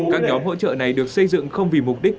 các nhóm hỗ trợ này được xây dựng không vì mục đích